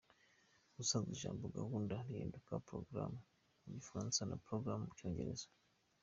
Ubusanzwe ijambo ‘gahunda’ rihinduka ‘programme’ mu Gifaransa cyangwa ‘program’ mu Cyongereza.